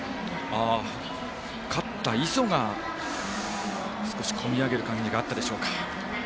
勝った磯が、少し込み上げる感じがあったでしょうか。